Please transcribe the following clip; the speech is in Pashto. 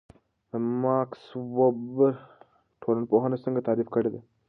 ماکس وِبر ټولنپوهنه څنګه تعریف کړې ده؟